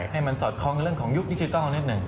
เต็มสอดคล้องในเรื่องของยุคดิจิทัลนิดนึง